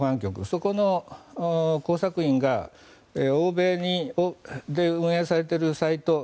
そこの工作員が欧米で運営されているサイト